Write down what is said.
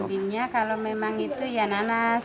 bimbingnya kalau memang itu ya nanas